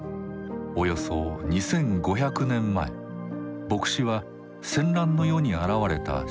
およそ２，５００年前墨子は戦乱の世に現れた思想家です。